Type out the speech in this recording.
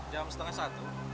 jam setengah satu